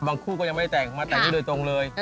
คู่ก็ยังไม่ได้แต่งมาแต่งนี่โดยตรงเลย